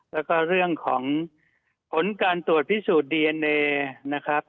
แล้วก็เรื่องของผลการตรวจพิสูจน์ดีเอนเอนะครับ